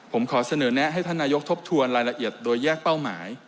ผมขอเสนอแนะให้ท่านนายกทบทวนรายละเอียดโดยแยกเป้าหมาย